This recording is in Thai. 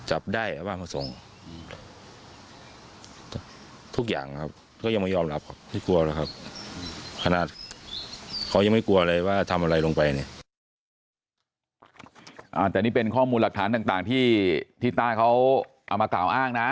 แต่นี่เป็นข้อมูลหลักฐานต่างที่ต้าเขาเอามากล่าวอ้างนะ